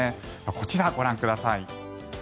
こちら、ご覧ください。